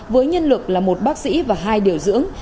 với nhân lực là một bác sĩ và hai điều dưỡng